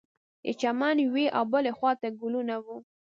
د چمن یوې او بلې خوا ته ګلونه وه.